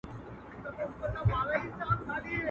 مات لاس د غاړي امېل دئ.